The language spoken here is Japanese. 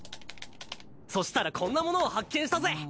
そしたらこんなものを発見したぜ。